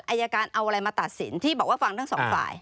อายการเอาอะไรมาตัดสินที่บอกว่าฟังทั้งสองฝ่าย